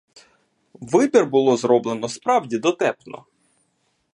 Вибір було зроблено справді дотепно.